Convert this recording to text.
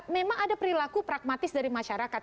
memang ada perilaku pragmatis dari masyarakat